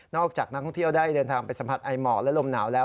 จากนักท่องเที่ยวได้เดินทางไปสัมผัสไอหมอกและลมหนาวแล้ว